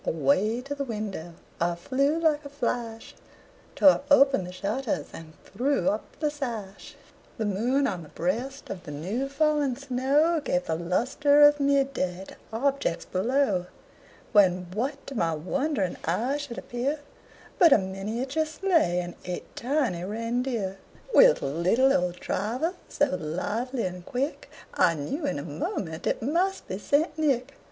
Away to the window I flew like a flash, Tore open the shutters and threw up the sash. The moon, on the breast of the new fallen snow, Gave a lustre of midday to objects below; When what to my wondering eyes should appear, But a miniature sleigh and eight tiny reindeer, With a little old driver, so lively and quick I knew in a moment it must be St. Nick.